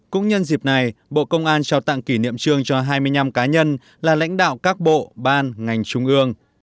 cũng nhân dịp này bộ công an trao tặng kỷ niệm trường cho hai mươi năm cá nhân là lãnh đạo các bộ ban ngành trung ương